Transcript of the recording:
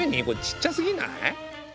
これちっちゃすぎない？